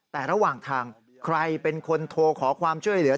แต่ระหว่างทางใครเป็นคนโทรขอความช่วยเหลือ